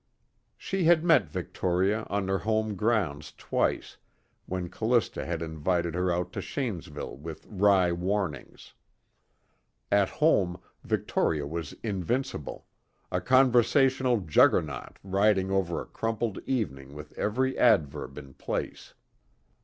She had met Victoria on her home grounds twice, when Callista had invited her out to Shanesville with wry warnings. At home, Victoria was invincible, a conversational Juggernaut riding over a crumpled evening with every adverb in place.